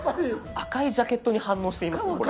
赤いジャケットに反応していますねこれ。